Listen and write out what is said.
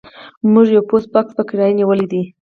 موږ یو پوسټ بکس په کرایه نیولی دی